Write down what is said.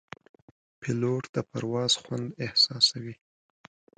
پیلوټ د پرواز خوند احساسوي.